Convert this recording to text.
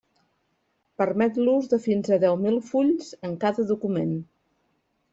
Permet l'ús de fins a deu mil fulls en cada document.